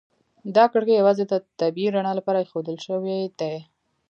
دا کړکۍ یوازې د طبیعي رڼا لپاره ایښودل شوي دي.